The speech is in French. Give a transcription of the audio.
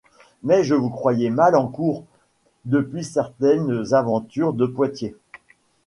Mais je vous croyais mal en Cour depuis certaine aventure de Poitiers ?